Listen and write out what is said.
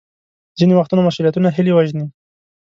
ځینې وختونه مسوولیتونه هیلې وژني.